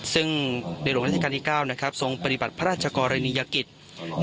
ซึ่งในหลวงราชการที่๙นะครับทรงปฏิบัติพระราชกรณียกิจ